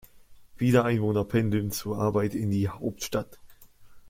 Viele Einwohner pendeln zur Arbeit in die Hauptstadt.